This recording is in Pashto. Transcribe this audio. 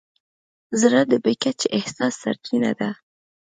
زړه د بې کچې احساس سرچینه ده.